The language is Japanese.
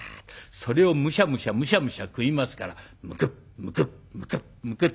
それをムシャムシャムシャムシャ食いますからムクッムクッムクッムクッ。